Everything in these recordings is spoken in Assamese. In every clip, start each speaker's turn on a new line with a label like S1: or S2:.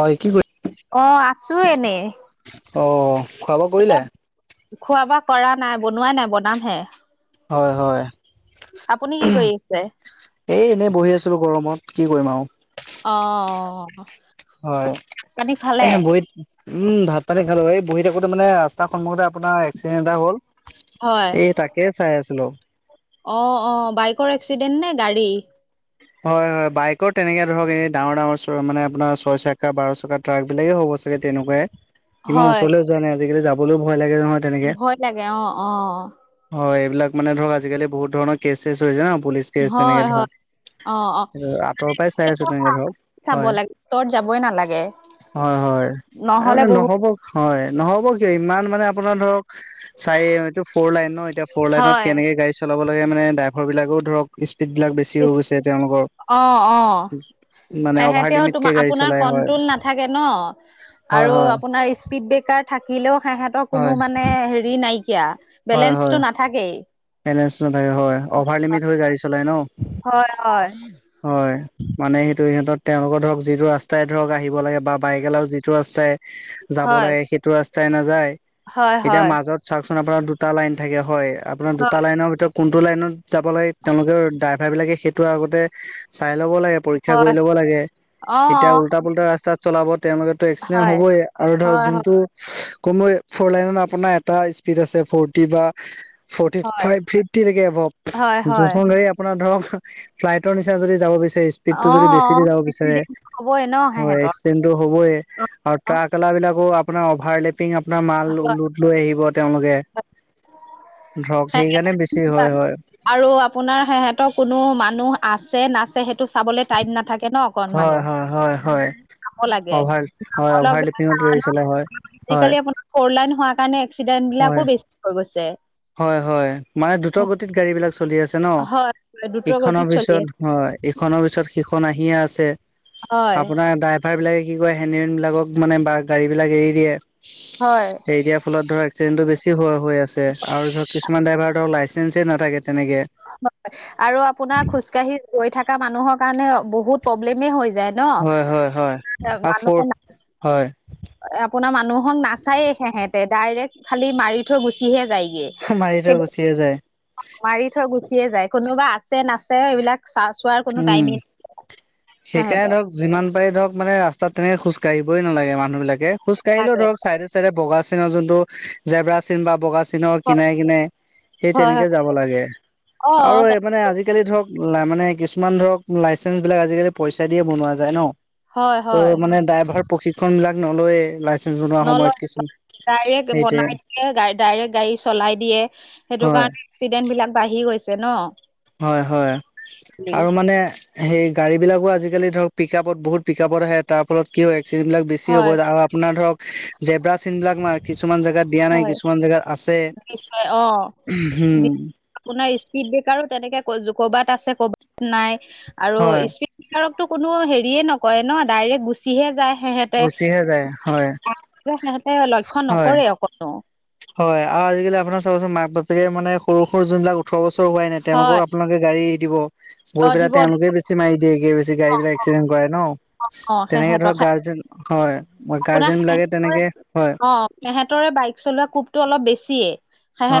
S1: হয় কি কৰি
S2: অ আছো এনে
S1: অ খোৱা বোৱা কৰিলে?
S2: এতিয়া খোৱা বোৱা কৰা নাই বনোৱা নাই বনামহে
S1: হয় হয়
S2: আপুনি কি কৰি আছে
S1: উমহ এ এনেই বহি আছিলো গৰমত কি কৰিম আও
S2: অ অ
S1: হয় বহিত উম ভাত পানী খালো এই বহি থাকোতে মানে ৰাস্তাৰ সন্মুখতে আপোনাৰ একচিডেনট এটা হ'ল
S2: হয়।
S1: এই তাকে চাই আছিলোঁ।
S2: অ অ বাইকৰ এক্সিডেণ্ট নে গাড়ী?
S1: হয় হয় বাইকৰ তেনেকে ধৰক এনেই ডাঙৰ ডাঙৰ ছয় মানে আপোনাৰ ছয় চকা বাৰ চকাত ট্ৰাক বিলাকে হ'ব চাগে তেনেকুৱাই ইমান
S2: হয়
S1: ওচৰলৈ যোৱা নাই আজিকালি যাবলৈও ভয় লাগে নহয় তেনেকে।
S2: ভয় লাগে অ অ
S1: হয় এইবিলাক মানে ধৰক আজিকালি বহুত ধৰণৰ কেচ চেছ হৈছে ন পুলিচ কেচ তেনেকে
S2: হয়
S1: ধৰক
S2: হয় অ অ
S1: আঁতৰৰ পৰাই চাই আছো তেনেকে ধৰক
S2: চাব
S1: হয়
S2: লাগে ওচৰত যাবই নালাগে
S1: হয় হয় এই
S2: নহলে
S1: মানে
S2: বহুত
S1: নহব হয় নহ'ব কিয় ইমান মানে আপোনাৰ ধৰক চাৰি এইটো ফ'ৰ লাইন ন এতিয়া ফৰ লাইনত
S2: হয়
S1: কেনেকে গাড়ী চলাব লাগে মানে ড্ৰাইভাৰ বিলাকেও ধৰক স্পীড বিলাক বেচি হৈ
S2: ইচ,
S1: গৈছে যে তেওঁলোকৰ
S2: অ অ
S1: মানে অভাৰ
S2: সেহেঁতেও
S1: লিমিটকে
S2: তোমাৰ
S1: গাড়ী
S2: আপোনাৰ
S1: চলাই হয়
S2: কন্ট্ৰল নাথাকে ন
S1: হয়
S2: আৰু
S1: হয়
S2: আপোনাৰ স্পীড ব্ৰেকাৰ থাকিলেও সেহতৰ‌ কোনো
S1: হয়
S2: মানে হেৰি নাইকিয়া
S1: হয় হয়
S2: বেলেঞ্চটো নাথাকেই
S1: বেলেঞ্চ নাথাকে হয় অভাৰলিমিট হৈ গাড়ী চলাই ন
S2: হয় হয়
S1: হয় মানে সেইটো সিহঁতৰ তেওঁলোকৰ ধৰক যিটো ৰাস্তাই ধৰক আহিব লাগে বা বাইকলাও যিটো ৰাস্তাই
S2: উ [unintelligible]
S1: যাব লাগে সেইটো ৰাস্তাই নাযায়
S2: হয়,
S1: এতিয়া
S2: হয়,
S1: মাজত চাওকচোন আপোনাৰ দুটা লাইন থাকে হয় আপোনাৰ
S2: হয়,
S1: দুটা লাইনৰ ভিতৰত কোনটো লাইনত যাব লাগে তেওঁলোকৰ ড্ৰাইভাৰবিলাকে সেইটো আগতে চাই ল'ব লাগে পৰীক্ষা
S2: হয়,
S1: কৰি ল'ব লাগে।
S2: অ',
S1: এতিয়া
S2: অ',
S1: উল্টা পুল্টা ৰাস্তাত চলাব তেওঁলোকৰতো এক্সিডেণ্ট
S2: হয়,
S1: হবই আৰু ধৰ
S2: হয়,
S1: যোনটো কম ফ'ৰ লাইনত আপোনাৰ এটা স্পীড আছে ফ'ৰটি বা ফটি
S2: হয়, হয়,
S1: ফাইভ ফিফটিলেকে এভভ
S2: হয়,
S1: যোন
S2: হয়,
S1: খন গাড়ী আপোনাৰ ধৰক ফাইভ ফ্ৰাইটৰ নিচিনা যদি যাব বিচাৰে
S2: অ',
S1: স্পীডটো যদি বেছি দি
S2: অ',
S1: যাব বিচাৰে
S2: এক্সিডেণ্ট হ'বই ন সেহেঁতৰ।
S1: হয় হবই
S2: অ',
S1: আৰু
S2: অ
S1: ট্ৰাক অলা বিলাকৰ আপোনাৰ অভাৰ লেটিং আপোনাৰ মাল
S2: হয়,
S1: লৈ আহিব তেওঁলোকে ধৰক
S2: সেহে-
S1: সেইকাৰণে বেছি হয় হয়
S2: আৰু আপোনাৰ সিহঁতৰ কোনো মানুহ আছে নাছে সেইটো চাবলে টাইম নাথাকে ন অকন
S1: হয়
S2: মানুহ
S1: হয় হয় হয়
S2: যাব লাগে
S1: অভাৰ
S2: যাব
S1: হয় অভাৰ
S2: লগা
S1: লিপিঙত গাড়ী চলা হয়
S2: কাৰণত
S1: হয়
S2: আজিকালি আপোনাৰ ফৰ'লাইন হোৱাৰ কাৰণে এক্সিডেণ্ট
S1: হয়
S2: বিলাকো বেছি হৈ গৈছে
S1: হয় হয় মানে দ্ৰুত গতিত গাড়ী বিলাক চলি আছে ন
S2: হয়, দ্ৰুত
S1: ইখনৰ
S2: গতিত চলি
S1: পিছত
S2: আছে,
S1: হয় ইখনৰ পিছত সিখন আহিয়ে আছে
S2: হয়,
S1: আপোনাৰ ডাইভাৰ বিলাকে কি কৰে হেন্দিমেন বিলাকক মানে বা গাড়ী বিলাক এৰি দিয়ে
S2: হয়
S1: এৰি দিয়া ফলত ধৰক এক্সিডেণ্টটো বেছি হৈ আছে আৰু ধৰক কিছুমান ড্ৰাইভাৰ ধৰক লাইচেন্ঞ্চে নাথাকে তেনেকে
S2: হয় আৰু আপোনাৰ খোজকাঢ়ি গৈ থকা মানুহৰ কাৰণে বহুত প্ৰব্লেমে হৈ যায়। ন
S1: হয় হয় হয় আ ফৰ
S2: মানুহ
S1: হয়
S2: আপোনাৰ মানুহক নাচায়ে সেহেঁতে ডাইৰেক্ট খালি মাৰি থৈ গুচিহে যায়গে।
S1: মাৰি থৈ
S2: সেইবিলাক
S1: গুচিয়ে যায়।
S2: মাৰি থৈ গুচিয়ে যায় কোনোবা আছে নাছে এইবিলাক চা চোৱাৰ কোনো
S1: উম
S2: টাইমিং
S1: সেইকাৰণে ধৰক যিমান পাৰি ধৰক মানে ৰাস্তাত তেনেক খোজ খোজকাঢ়িবই নালাগে মানুহবিলাকে খোজকাঢ়িলেও
S2: তাকে
S1: ধৰক চাইডে বগা চিনৰ যোনটো জেব্ৰা চিন বা বগা চি নৰ
S2: হয়
S1: কিনাৰে কিনাৰে, সেই
S2: হয়
S1: তেনেকে যাব লাগে আৰু
S2: অ
S1: মানে আজিকালি ধৰক, ল মানে কিছুমান ধৰক, লাইচেন্ঞ্চ বিলাক আজিকালি পইচা দিয়ে বনোৱা যায় ন?
S2: হয় হয়
S1: ত' মানে ড্ৰাইভাৰ প্ৰশিক্ষন বিলাক নলয়ে লাইচেন্ঞ্চ বনোৱা
S2: নলয়
S1: সময়ত কিছুমান
S2: ডাইৰেক্ট বনাই দিয়ে গা ডাইৰেক্ট গাড়ী চলাই দিয়ে সেইটো
S1: হয়
S2: কাৰণে এক্সিডেণ্ট বিলাক বাঢ়ি গৈছে ন?
S1: হয় হয় আৰু মানে সেই গাড়ীবিলাকো আজিকালি ধৰ পিক আপত, বহুত পিক আাপত আহে, তাৰ ফলত কিয় এক্সিডেণ্টলাক বেছি হব
S2: হয়
S1: আৰু আপোনাৰ ধৰক জেব্ৰা চীন বিলাক কিছুমান জেগাত দিয়া নাই,
S2: হয়
S1: কিছুমান জেগাত আছে,
S2: নিশ্চয় অ
S1: হম।
S2: আপোনাৰ স্পীড ব্ৰেকাৰো তেনেকে কৰ'বাত আছে, কৰবাত নাই আৰু
S1: হয়
S2: স্পীড কোনো হেৰিয়ে নকৰে ন? ডাইৰেক্ট গুচিহে যায় সেহেঁতে।
S1: গুচিহে যায় হয়
S2: সিহঁতে লক্ষ্য
S1: হয়
S2: নকৰে অকনো।
S1: হয় আৰু আজিকালি আপোনাৰ চাবচোন মাক-বাপেকে মানে সৰু সৰু যোনবিলাক ওঠৰ বছৰ হোৱাই নাই,
S2: হয়
S1: তেওঁলোকৰ আপোনালোকে গাড়ী ৰিদিব,
S2: অ
S1: গৈ পেলাই
S2: দিব অ
S1: তেওঁলোকে বেছি মাৰি দিয়েগে গাড়ী বিলাক
S2: অ
S1: এক্সিডেন্ট কৰে ন?
S2: অ
S1: তেনেকে
S2: সিহঁতৰ
S1: ধৰক গাৰ্জেন, হয়। মই গাৰ্জেন বিলাকে তেনেকে, হয়।
S2: হেহেতৰে বাইক চলোৱা কোপটো অলপ বেছিএ।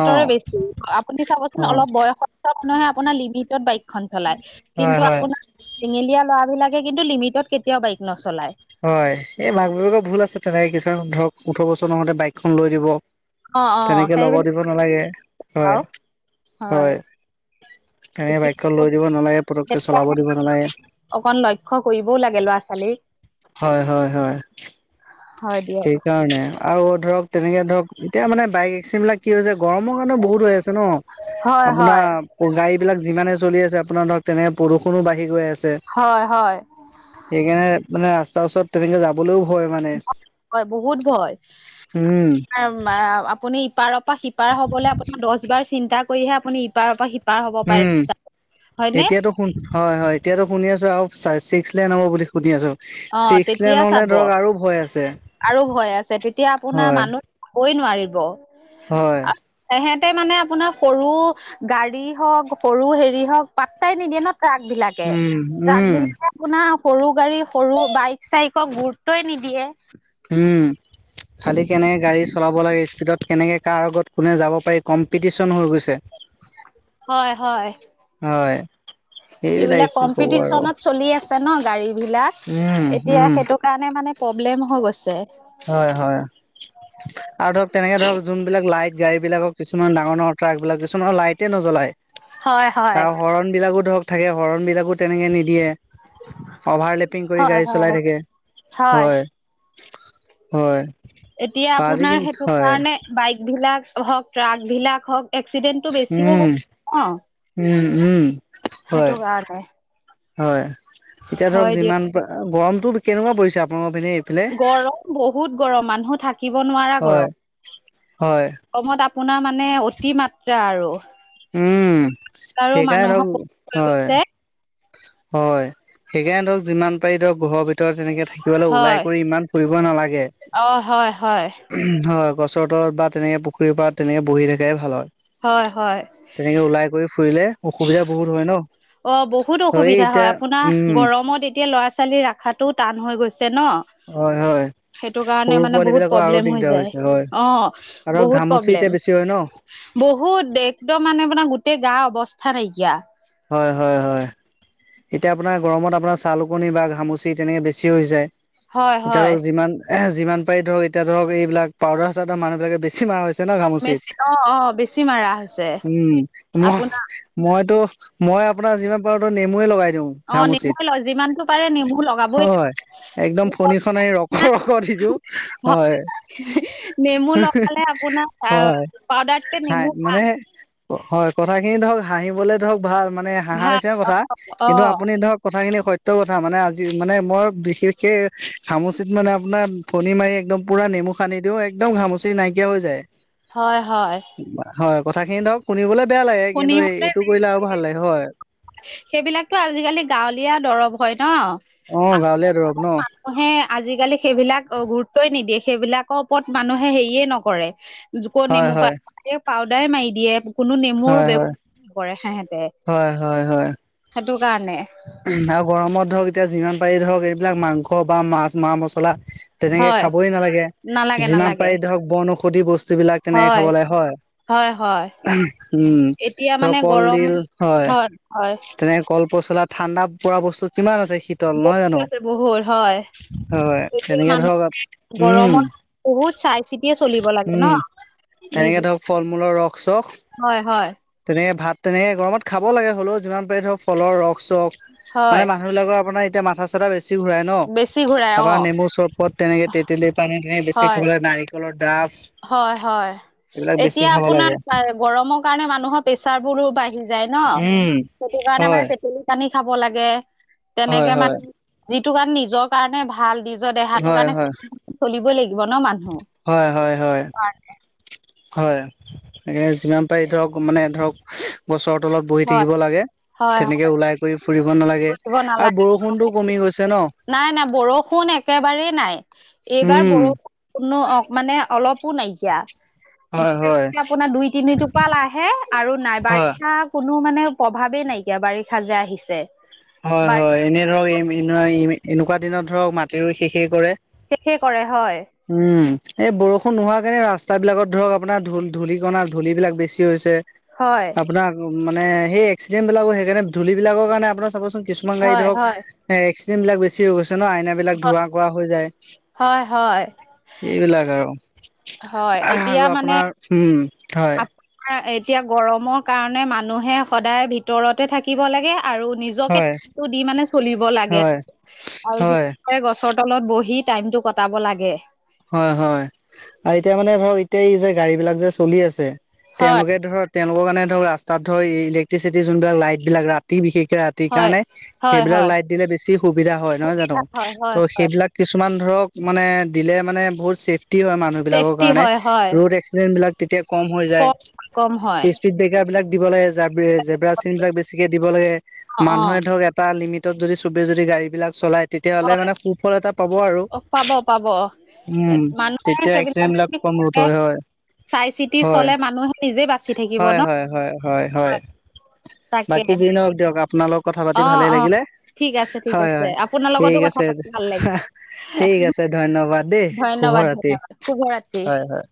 S1: অ
S2: বেছি। আপুনি
S1: অ
S2: চাবচোন অলপ বয়সস্থ মানুহে আপোনাৰ লিমিটত বাইক খন চলাই।
S1: হয়
S2: কিন্তু
S1: হয়
S2: আপোনাৰ চেঙেলীয়া ল'ৰা বিলাকে কিন্তু লিমিটত কেতিয়াও বাইক নচলায়।
S1: হয় এই মাক বাপেকৰ ভুল আছে, তেনেকে কিছুমান ধৰক ওঠৰ বছৰ নহওতে বাইকখন লৈ দিব,
S2: অ অ
S1: তেনেকে ল'ব
S2: সেইবিলাক
S1: দিব নালাগে, হয়,
S2: আৰু
S1: হয়। এনে বাইকখন
S2: এতিয়া
S1: লৈ দিব নালাগে, পতকে
S2: সেইটো
S1: চলাব
S2: কাৰণে
S1: দিব নালাগে।
S2: অকন লক্ষ্য কৰিবও লাগে ল'ৰা-ছোৱালীক।
S1: হয়, হয়, হয়
S2: হয় দিয়ক
S1: সেইকাৰণে। আৰু ধৰক, তেনেকে ধৰক এতিয়া মানে বাইক এক্সিমবিলাকেও যে গৰমৰ কাৰণেও বহুত হৈ আছে। ন
S2: হয় হয়
S1: আপোনাৰ গাড়ী বিলাক যিমানে চলি আছে, আপোনাৰ ধৰক তেনে প্ৰদূষণো বাঢ়ি গৈ আছে।
S2: হয় হয়।
S1: সেইকাৰণে মানে ৰাস্তাৰ ওচৰত তেনেকে যাবলৈও ভয় মানে।
S2: হয় বহুত ভয়।
S1: উম।
S2: আপুনি ইপাৰৰ পৰা সিপাৰ হবলৈ আপোনি দশ বাৰ চিন্তা কৰিহে আপুনি ইপাৰৰ পা শিপাৰ
S1: উম, এতিয়াতো হয় হয় এতিয়াতো শুনি আছো আৰু ছিক্সলেন হ'ব বুলি শুনি আছো।
S2: অ
S1: ছিক্স লেন
S2: তেতিয়া
S1: হলে
S2: চাব
S1: ধৰক আৰু ভয় আছে
S2: আৰু ভয় আছে, তেতিয়া আপোনাৰ
S1: হয়
S2: মানুহ কবই নোৱাৰিব।
S1: হয়
S2: তেহেতে মানে আপোনাৰ সৰু গাড়ী হওঁক, সৰু হেৰি হওঁক, পাত্তাই নিদিয়ে ন ট্ৰাক বিলাক কে,
S1: উম
S2: ট্ৰাক
S1: উম
S2: বিলাকে আপোনাৰ সৰু গাড়ী সৰু বাইক চাইকক গুৰুত্বই নিদিয়ে।
S1: হুমঁ, খালী কেনেকৈ গাড়ী চলাব লাগে, স্পীডতকেনেকৈ কাৰ আগত কোনে যাব পাৰি কম্পিটিশন হৈ গৈছে।
S2: হয় হয়।
S1: হয়। সেইবিলাকে
S2: এইবিলাক
S1: কি কব আৰু
S2: কম্পিটিচনত চলি আছে ন গাড়ী বিলাক।
S1: উম
S2: এতিয়া
S1: উম
S2: সেইটো কাৰণে মানে প্ৰব্লেম হৈ গৈছে।
S1: হয় হয়। আৰু ধৰক তেনেকে ধৰক যোনবিলাক লাইট, গাড়ী বিলাকক কিছুমান ডাঙৰ-ডাঙৰ ট্ৰাক বিলাক কিছুমানৰ লাইটে নজ্বলাই।
S2: হয় হয়।
S1: শৰণবিলাকো ধৰক থাকে, শৰণবিলাকো তেনেকৈ নিদিয়ে। অভাৰ লেপিং কৰি
S2: হয়
S1: গাড়ী
S2: হয়
S1: চলাই থাকে হয়। হয়
S2: এতিয়া
S1: পাজি
S2: আপোনাৰ
S1: কিন
S2: সেইটো
S1: হয়
S2: কাৰণে- বাইক বিলাক হওঁক, ট্ৰাক বিলাক হওঁক, এক্সিডেণ্ট-
S1: উমঁ, উমঁ-উমঁ।
S2: সেটো কাৰণে।
S1: হয়, এতিয়া ধৰক
S2: হয় দিয়ক
S1: যিমান গৰমতটো কেনেকুৱা পৰিছে আপোনালোকৰ পিনে? এইফালে
S2: গৰম বহুত গৰম মানুহ থাকিব নোৱাৰা
S1: হয়
S2: গৰম।
S1: হয়
S2: অসমত আপোনাৰ মানে অতি মাত্ৰা আৰু।
S1: উমঁ
S2: আৰু
S1: সেইকাৰণে
S2: মানুহক হৈ
S1: হয়।
S2: গৈছে
S1: হয়, সেইকাৰণে ধৰক যিমান পাৰি ধৰক ঘৰৰ- তেনেকে থাকিবলৈ ওলাই
S2: হয়
S1: কৰি ইমান ফুৰিব নালাগে। হয়, গছৰ তলত বা তেনেকে পুখুৰীৰ পাৰত তেনেকে বহি থকাই ভাল হয়।
S2: হয় হয়।
S1: তেনেকে ওলাই কৰি ফুৰিলে অসুবিধা বহুত হয় ন।
S2: অ', বহুত
S1: এই
S2: অসুবিধা
S1: এতিয়া
S2: হয়। আপোনাৰ
S1: উম
S2: গৰমত এতিয়া ল'ৰা ছোৱালী ৰখাটো টান হৈ গৈছে ন।
S1: হয় হয়।
S2: সেইটো কাৰণে
S1: সৰু
S2: মানে
S1: পোৱালী
S2: বহুত
S1: বিলাকৰ আৰু
S2: প্ৰব্লেম হৈ
S1: দিগদাৰ
S2: যায়।
S1: হৈছে হয়
S2: অ'
S1: আৰু
S2: বহুত
S1: ঘামুচি এতিয়া
S2: প্ৰব্লেম।
S1: বেছি হয় ন
S2: বহুত বে একদম মানে আপোনা গোটেই গা অৱস্থা নাইকিয়া
S1: হয় হয় হয়। এতিয়া আপোনাৰ গৰমত আপোনাৰ চাল উকনি বা ঘামুচি তেনেকে বেছিও হৈ যায়।
S2: হয়
S1: এতিয়া
S2: হয়
S1: ধৰক যিমান এ যিমান পাৰি ধৰক এতিয়া ধৰক এইবিলাক পাউদাৰ চাউদাৰ মানুহ বিলাকে বেছি মাৰা হৈছে। ন ঘামোচিত
S2: বেছি অ অ বেছি মাৰা হৈছে
S1: উম
S2: আপোনাৰ
S1: উম। মইতো মই আপোনাৰ যিমান পাৰো ত নেমু এ লগাই দিওঁ।
S2: অ নেমু
S1: ঘামুচিত,
S2: যিমানটো পাৰে নেমু লগাবই লাগে।
S1: হয় একদম ফণীখনে ৰকৰ ৰকৰ দি দিউ, হয়।
S2: নেমু লগালে আপোনাৰ
S1: হয়।
S2: পাউদাতকে
S1: হাই
S2: নেমু
S1: মানে
S2: ভাল।
S1: হয়, কথাখিনি ধৰক হাঁহিবলে ধৰক ভাল, মানে হাঁহাৰ
S2: ভাল
S1: নিচিনা কথা
S2: অ অ
S1: কিন্তু আপুনি ধৰক, কথাখিনি সত্য কথা, মানে আজি মানে মই বিশেষকে ঘামুচিত মানে আপোনাৰ ফণী মাৰি- একদম পুৰা নেমু সানি দিওঁ একদম ঘামুচি নাইকিয়া হৈ যায়।
S2: হয় হয়।
S1: হয়। কথাখিনি ধৰক শুনিবলে বেয়া লাগে কিন্তু সে
S2: শুনিবলৈ
S1: এইটো কৰিলে আৰু ভাল লাগে হয়।
S2: সেইবিলাকতো আজিকালি গাঁৱলীয়া দৰৱ হয় ন।
S1: অ', গাঁৱলীয়া দৰৱ ন।
S2: মানুহে আজিকালি সেইবিলাক গুৰুত্বই নিদিয়ে। সেইবিলাকৰ ওপৰত মানুহে হেৰিয়ে নকৰে।
S1: হয়
S2: নেমু পা
S1: হয়
S2: পাউদাৰে মাৰি দিয়ে কোনো নেমুৰ
S1: হয় হয়
S2: ব্যৱহাৰ নকৰে সেহেঁতে।
S1: হয় হয় হয়।
S2: সেইটো কাৰণে
S1: আৰু গৰমত ধৰক এতিয়া যিমান পাৰি ধৰক এইবিলাক মাংস বা মাছ মা-মছলা- তেনেকে
S2: হয়
S1: খাবই নালাগে।
S2: নালাগে
S1: যিমান
S2: নালাগে
S1: পাৰি ধৰক বনঔষধি বস্তু বিলাক তেনেকে
S2: হয়
S1: খাব লাগে হয়।
S2: হয় হয়
S1: উম
S2: এতিয়া
S1: ত
S2: মানে গৰম
S1: কলডিল- হয়, তেনেকে কল পচলা ঠাণ্ডা পৰা বস্তু - কিমান আছে শীতল নহয়
S2: বহুত
S1: জানো,
S2: আছে বহুত হয়
S1: হয়
S2: এতিয়া
S1: তেনেকে
S2: মানুহ
S1: ধৰক উম।
S2: গৰমত বহুত চাই চিতিয়ে চলিব লাগে ন।
S1: উম
S2: নিজ
S1: তেনেকে ধৰক ফল মূলৰ ৰস চস
S2: হয় হয়
S1: - তেনেকে ভাত তেনেকে গৰমত খাব লাগে, হ'লেও যিমান পাৰি ধৰ ফলৰ ৰস চস
S2: হয়
S1: মানে ম মানুহবিলাকৰ আপোনাৰ এতিয়া মাথা-চাথা বেছি ঘূৰাই ন,
S2: বেছি ঘূৰাই অ
S1: আপোনাৰ নেমুৰ চৰবত, তেনেকে তেতেলীৰ পানী, তেনে বেছি
S2: হয়
S1: খাব লাগে নাৰিকলৰ ডাব
S2: হয় হয়,
S1: এইবিলাক বেছি
S2: এতিয়া
S1: খাব লাগে
S2: আপোনাৰ গৰমৰ কাৰণে মানুহৰ প্ৰেচাৰ বোৰো বাঢ়ি - যায় ন
S1: উম
S2: সেইটো কাৰণে
S1: হয়
S2: মানে- তেতেলী। পানী খাব লাগে,
S1: হয়
S2: তেনেকে
S1: হয়
S2: মানে যিটো কাৰণ নিজৰ কাৰণে ভাল দি- নিজ দেহাটোৰ
S1: হয়
S2: কাৰণে
S1: হয়
S2: চ চলিব লাগিব ন মানুহ।
S1: হয় হয় হয়। হয়, যিমান পাৰি ধৰক মানে ধৰক গছৰ তলত বহি
S2: হয়
S1: থাকিব লাগে,
S2: হয়
S1: তেনেকে ওলাই ঘূৰি ফুৰিব নালাগে
S2: ফুৰিব
S1: আৰু
S2: নালাগে
S1: বৰষুণটো কমি গৈছে ন।
S2: নাই নাই বৰষুণ একেবাৰেই নাই। এইবাৰ
S1: উম
S2: বৰষুণ কোনো মানে অলপ- একো নাইকিয়া,
S1: হয় হয়
S2: আপোনাৰ দুই তিনি টোপাল আহে আৰু নাই
S1: হয়
S2: বাৰিষা কোনো মানে প্ৰভাৱেই নাইকিয়া বাৰিষা যে আহিছে। বাৰিষা
S1: হয়-হয়, এনেই ধৰক এনেকুৱা দিনত ধৰক মাটি ৰুই শেষেই কৰে।
S2: শেষে কৰে হয়।
S1: উম, এই বৰষুণ নোহোৱা কাৰণে ৰাস্তাবিলাকত ধৰক আপোনাৰ ধূ-ধূলিকণা ধূলি বিলাক বেছি হৈছে।
S2: হয়।
S1: আপোনাৰ মানে এই এক্সিডেণ্ট বিলাকো সেইকাৰণে ধূলি বিলাকৰ কাৰণে আপোনাৰ চাবচোন কিছুমান গাড়ী
S2: হয়,
S1: ধৰক,
S2: হয়,
S1: এ এক্সিডেণ্ট বিলাক বেছি হৈ গৈছে ন আইনা বিলাক
S2: হয়,
S1: ধোৱা কোৱা হৈ যায়,
S2: হয়, হয়,
S1: এইবিলাক আৰু।
S2: হয় এতিয়া
S1: আৰু
S2: মানে
S1: আপোনাৰ উম, হয়।
S2: আপোনাৰ এতিয়া গৰমৰ কাৰণে মানুহে সদায় ভিতৰতে থাকিব লাগে আৰু নিজ ৰ
S1: হয়,
S2: নিজকে দি মানে চলিব লাগে
S1: হয়, হয়,
S2: আৰু। গছৰ তলত বহি টাইমটো কটাব লাগে।
S1: হয়-হয়, আৰু এতিয়া মানে ধৰ এতিয়া এই যে গাড়ী বিলাক যে চলি আছে,
S2: হয়,
S1: তেওঁলোকে ধৰক তেওঁলোকৰ কাৰণে ধৰক ৰাস্তা ধৰ ইলেক্ট্ৰিচিটিৰ যোনবিলাক লাইট বিলাক ৰাতি বিশেষকে ৰাতি
S2: হয়,
S1: সেইকাৰণে
S2: হয়,
S1: সেইবিলাক
S2: হয়,
S1: লাইট দিলে বেছি সুবিধা হয়। নহয় জানো?
S2: হয়, হয়,
S1: ত'
S2: হয়,
S1: সেইবিলাক কিছুমান ধৰক মানে দিলে মানে বহুত ছেফটি হয়, মানুহ বিলাকৰ
S2: চেফটি
S1: কাৰণে,
S2: হয়, হয়,
S1: ৰড এক্সিডেণ্ট বিলাক তেতিয়া কম হৈ যায়,
S2: কম হয়।
S1: স্পীড ব্ৰেকাৰ বিলাক দিব লাগে। জ জেবৰা চিন বিলাক বেছিকে দিব লাগে।
S2: অ', অ',
S1: মানুহে ধৰক এটা লিমিটত যদি সবে যদি গাড়ী বিলাক চলাই তেতিয়া হ'লে
S2: হয়,
S1: মানে সুফল এটা পাব আৰু।
S2: অ পাব পাব
S1: উম
S2: মানুহে
S1: তেতিয়া এক্সিডেন্ট
S2: সেইবিলাক
S1: বিলাক কম ৰোধ হয় হয়
S2: চাই চিতি চলে মানুহে নিজেই বাচি থাকিব ন।
S1: হয়-হয়-হয়।
S2: অঁ। [unintelligible]
S1: বাকী যি নওক দিয়ক আপোনাৰ লগত কথা
S2: অ',
S1: পাতি ভালেই
S2: অ',
S1: লাগিলে।
S2: ঠিক আছে, ঠিক আছে,
S1: হয়-হয়,
S2: আপোনাৰ লগতো
S1: ঠিক
S2: কথা
S1: আছে,
S2: পাতি ভাল লাগিল,
S1: ঠিক আছে ধন্যবাদ। দেই শুভ
S2: ধন্যবাদ,
S1: ৰাতি
S2: ধন্যবাদ, শুভৰাত্ৰি।
S1: হয়-হয়।